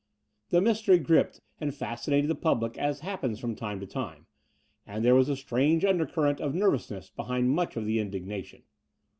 The mystery gripped and fascinated the public as happens from time to time: and there was a strange undercurrent of nervousness behind much of the indignation.